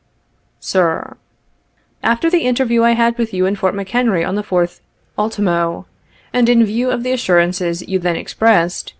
"Sir: "After the interview I had with you in Fort McHenry on the 4th ulto. , and in view of the assurances you then expressed